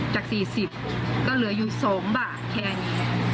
จาก๔๐ก็เหลืออยู่๒บาทแค่นี้